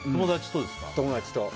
友達と。